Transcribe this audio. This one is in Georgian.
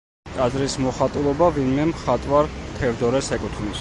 ტაძრის მოხატულობა ვინმე მხატვარ თევდორეს ეკუთვნის.